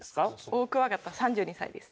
オオクワガタ３２歳です。